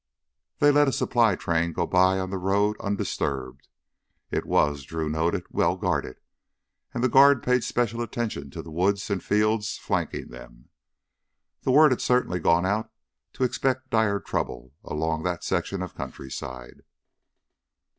They let a supply train go by on the road undisturbed. It was, Drew noted, well guarded and the guard paid special attention to the woods and fields flanking them. The word had certainly gone out to expect dire trouble along that section of countryside.